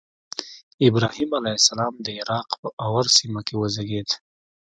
ابراهیم علیه السلام د عراق په أور سیمه کې وزیږېد.